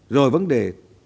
rồi vấn đề